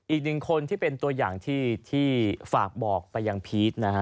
อีกหนึ่งคนที่เป็นตัวอย่างที่ฝากบอกไปยังพีชนะฮะ